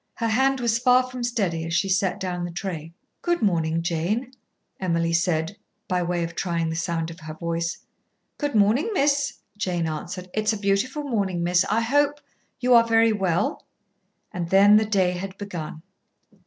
Her hand was far from steady as she set down the tray. "Good morning, Jane," Emily said, by way of trying the sound of her voice. "Good morning, miss," Jane answered. "It's a beautiful morning, miss. I hope you are very well?" And then the day had begun.